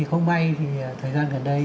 không may thời gian gần đây